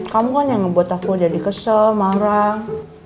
kamu kan yang ngebuat aku jadi kesel mangrang